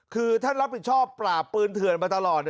คือท่านรับผิดชอบปราบปืนเถื่อนมาตลอด